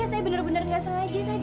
maaf ya saya bener bener gak sengaja tadi